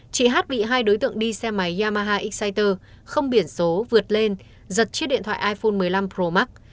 chị hát bị hai đối tượng đi xe máy yamaha exciter không biển số vượt lên giật chiếc điện thoại iphone một mươi năm pro max